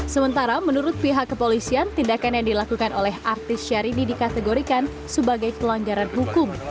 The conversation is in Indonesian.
sementara menurut pihak kepolisian tindakan yang dilakukan oleh artis syahrini dikategorikan sebagai pelanggaran hukum